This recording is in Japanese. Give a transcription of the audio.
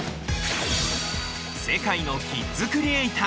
世界のキッズクリエイター。